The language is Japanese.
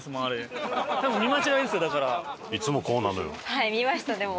はい見ましたでも。